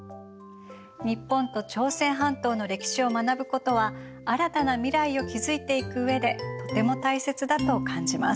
日本と朝鮮半島の歴史を学ぶことは新たな未来を築いていく上でとても大切だと感じます。